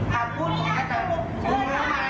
ไม่เคยถามพูดของเขาแต่คุณทำอะไร